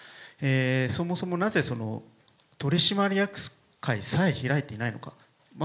そもそもなぜ、取締役会さえ開いていないのか。